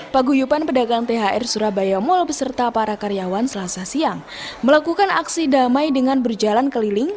paguyuban pedagang thr surabaya mall beserta para karyawan selasa siang melakukan aksi damai dengan berjalan keliling